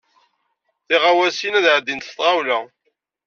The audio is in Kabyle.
Tiɣawsiwin ad ɛeddint s tɣawla.